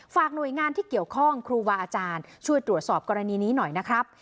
หน่วยงานที่เกี่ยวข้องครูวาอาจารย์ช่วยตรวจสอบกรณีนี้หน่อยนะครับ